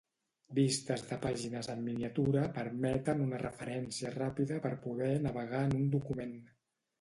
Vistes de pàgines en miniatura permeten una referència ràpida per poder navegar en un document.